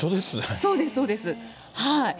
そうです、そうです。